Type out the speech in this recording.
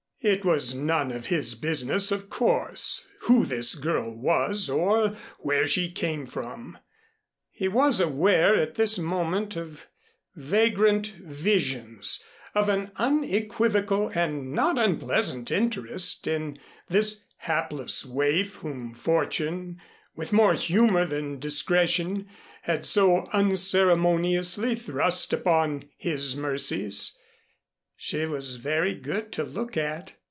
It was none of his business, of course, who this girl was or where she came from; he was aware, at this moment of vagrant visions, of an unequivocal and not unpleasant interest in this hapless waif whom fortune, with more humor than discretion, had so unceremoniously thrust upon his mercies. She was very good to look at.